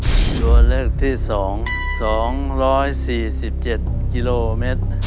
รวมเลขที่๒๒๔๗กิโลเมตร